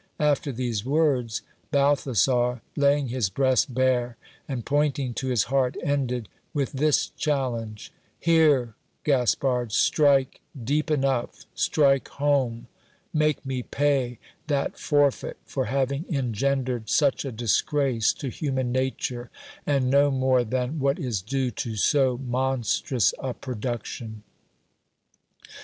After these words, Balthasar, laying his breast bare, and pointing to his heart, ended with this challenge: Here, Gaspard, strike deep enough, strike home ; make me pay that forfeit for having engendered such a disgrace to human nature, and no more than what is due to so monstrous a pro duction.